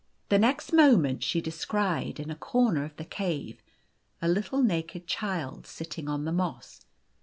The next moment she descried, in a corner of the cave, a little naked child, sitting on the moss.